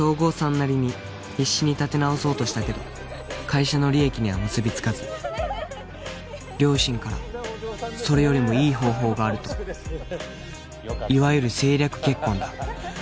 なりに必死に立て直そうとしたけど会社の利益には結びつかず両親から「それよりもいい方法がある」といわゆる政略結婚だ